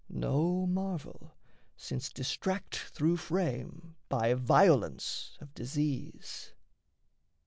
No marvel, since distract Through frame by violence of disease.